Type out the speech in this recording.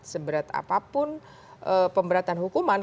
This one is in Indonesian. seberat apapun pemberatan hukuman